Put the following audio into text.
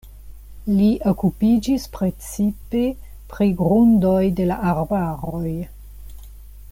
Li okupiĝis precipe pri grundoj de la arbaroj.